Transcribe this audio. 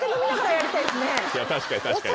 確かに確かに。